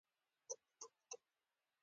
زموږ د کور کوچينان دباندي نه راوزي.